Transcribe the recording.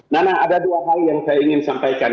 nana ada dua hal yang saya ingin sampaikan